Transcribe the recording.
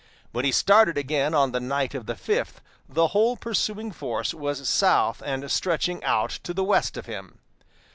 When he started again on the night of the fifth, the whole pursuing force was south and stretching out to the west of him.